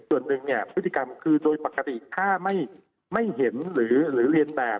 ส่วนหนึ่งเนี่ยพฤติกรรมคือโดยปกติถ้าไม่เห็นหรือเรียนแบบ